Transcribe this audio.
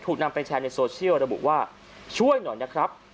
นำไปแชร์ในโซเชียลระบุว่าช่วยหน่อยนะครับ